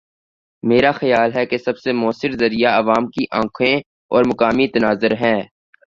میرا خیال ہے کہ سب سے موثر ذریعہ عوام کی آنکھیں اور مقامی تناظر ہے۔